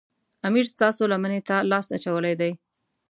امیر ستاسو لمنې ته لاس اچولی دی.